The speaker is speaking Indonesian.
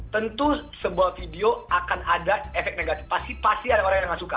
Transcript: tentu sebuah video akan ada efek negatif pasti pasti ada orang yang gak suka